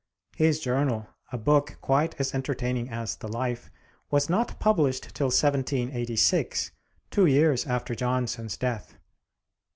His journal, a book quite as entertaining as the 'Life,' was not published till 1786, two years after Johnson's death.